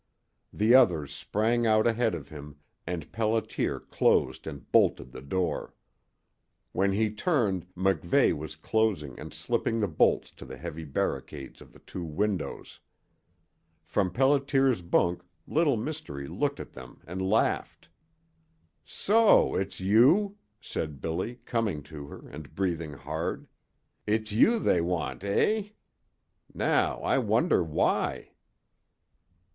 The others sprang out ahead of him, and Pelliter closed and bolted the door. When he turned MacVeigh was closing and slipping the bolts to the heavy barricades of the two windows. From Pelliter's bunk Little Mystery looked at them and laughed. "So it's you?" said Billy, coming to her, and breathing hard. "It's you they want, eh? Now, I wonder why?"